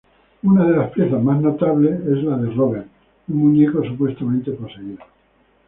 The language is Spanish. Una de las piezas más notables es la de Robert, un muñeco supuestamente poseído.